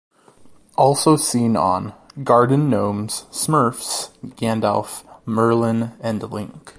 Also seen on: Garden gnomes, Smurfs, Gandalf, Merlin, and Link.